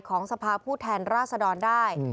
สภาพผู้แทนราษดรได้